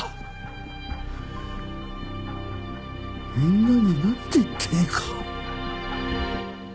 みんなになんて言っていいか。